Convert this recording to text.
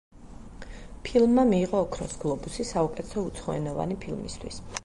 ფილმმა მიიღო ოქროს გლობუსი საუკეთესო უცხოენოვანი ფილმისთვის.